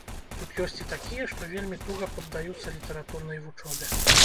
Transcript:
Тут ёсць і такія, што вельмі туга паддаюцца літаратурнай вучобе.